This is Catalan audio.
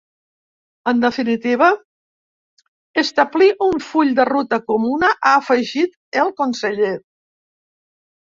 En definitiva, “establir un full de ruta comuna”, ha afegit el conseller.